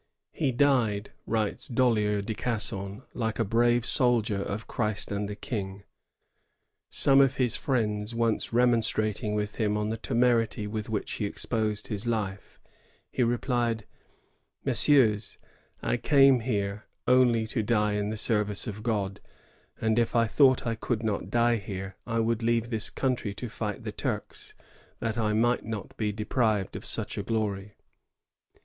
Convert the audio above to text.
"He died," writes Dollier de Gasson, "like a brave soldier of Christ and the King." Some of his friends once remonstrating with him on the temerity with which he exposed his life, he replied: "Messieurs, I came here only to die in the service of God; and if I thought I could not die here, I would leave this countiy to fight the Turks, that I might not be deprived of such a glory.